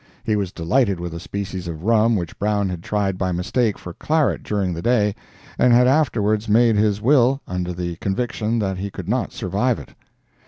He was delighted with a species of rum which Brown had tried by mistake for claret during the day, and had afterwards made his will, under the conviction that he could not survive it.